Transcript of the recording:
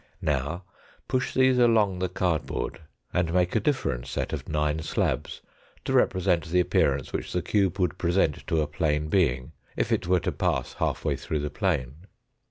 Now push these along the cardboard and make a different set of nine slabs to represent the appearance which the cube would present to a plane being, if it were to pass half way through the plane.